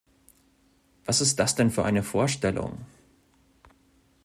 Was ist das denn für eine Vorstellung?